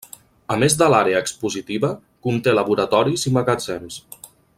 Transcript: A més de l'àrea expositiva, conté laboratoris i magatzems.